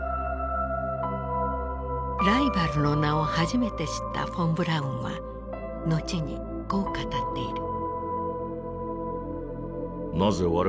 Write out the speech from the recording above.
ライバルの名を初めて知ったフォン・ブラウンは後にこう語っている。